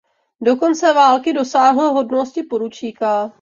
Do konce války dosáhl hodnosti poručíka.